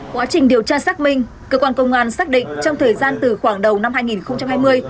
quá trình điều tra xác minh cơ quan công an xác định trong thời gian từ khoảng đầu năm hai nghìn hai mươi